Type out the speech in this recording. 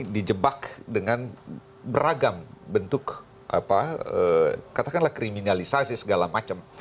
dijebak dengan beragam bentuk katakanlah kriminalisasi segala macam